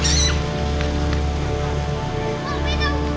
poppy jangan buka gaff